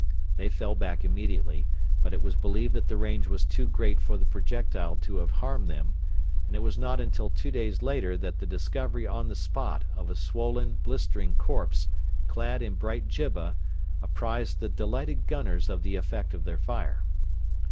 They fell back immediately, but it was believed that the range was too great for the projectile to have harmed them; and it was not until two days later that the discovery on the spot of a swollen, blistering corpse, clad in bright jibba, apprised the delighted gunners of the effect of their fire.